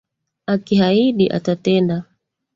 Akiahidi atatenda